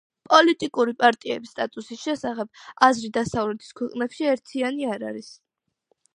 პოლიტიკური პარტიების სტატუსის შესახებ აზრი დასავლეთის ქვეყნებში ერთიანი არ არის.